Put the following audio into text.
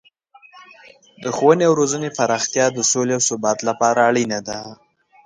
د ښوونې او روزنې پراختیا د سولې او ثبات لپاره اړینه ده.